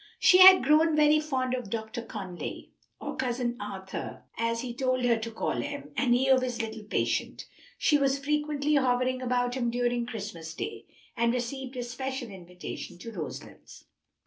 She had grown very fond of Dr. Conly, or Cousin Arthur as he told her to call him, and he of his little patient. She was frequently hovering about him during Christmas day; and received a special invitation to Roselands.